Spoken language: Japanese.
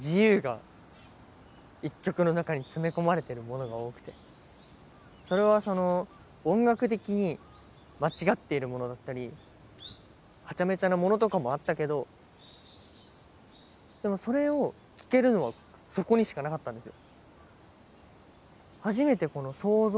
良くも悪くもそれはその音楽的に間違っているものだったりハチャメチャなものとかもあったけどでもそれを聴けるのはそこにしかなかったんですよ。